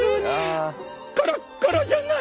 カラッカラじゃないか！